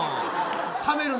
冷めるな。